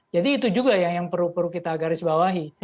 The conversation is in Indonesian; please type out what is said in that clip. jadi itu juga yang perlu perlu kita garis bawahi